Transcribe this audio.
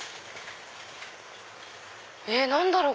え何だろう？